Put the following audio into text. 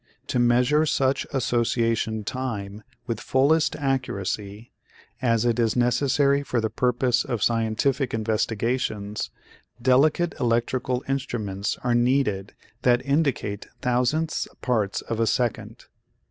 To measure such association time with fullest accuracy, as it is necessary for the purpose of scientific investigations, delicate electrical instruments are needed that indicate thousandths parts of a second.